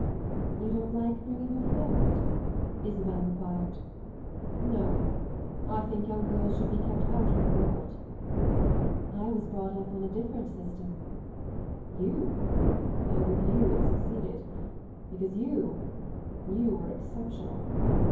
"You don't like bringing her forward?" Isabel enquired. "No, I think young girls should be kept out of the world." "I was brought up on a different system." "You? Oh, with you it succeeded, because you you were exceptional."